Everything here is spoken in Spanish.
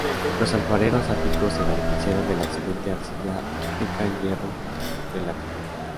Los alfareros áticos se beneficiaron de la excelente arcilla rica en hierro del Ática.